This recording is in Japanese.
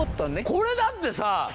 これだってさ。